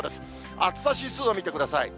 暑さ指数を見てください。